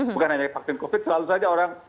bukan hanya vaksin covid selalu saja orang